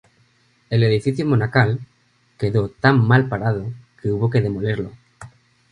El edificio monacal quedó tan mal parado que hubo que demolerlo.